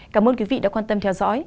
cảm ơn quý vị đã quan tâm theo dõi